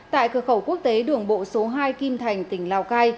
tại cửa khẩu quốc tế đường bộ số hai kim thành tỉnh lào cai